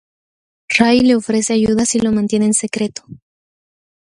Ray le ofrece ayuda si lo mantiene en secreto.